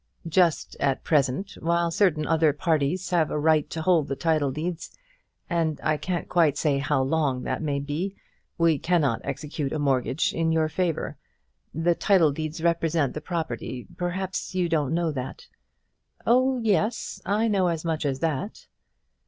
"Just at present, while certain other parties have a right to hold the title deeds, and I can't quite say how long that may be, we cannot execute a mortgage in your favour. The title deeds represent the property. Perhaps you don't know that." "Oh yes, I know as much as that."